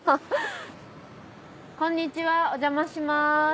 こんにちはおじゃまします。